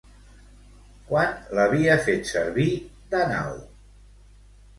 Quan l'havia fet servir Dànau?